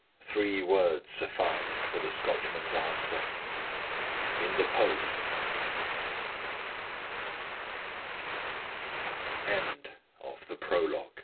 Three words sufficed for the Scotchman's answer. "In the post." THE END OF THE PROLOGUE. THE STORY.